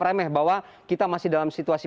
remeh bahwa kita masih dalam situasi